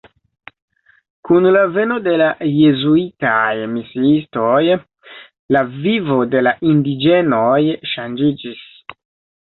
Kun la veno de la jezuitaj misiistoj la vivo de la indiĝenoj ŝanĝiĝis.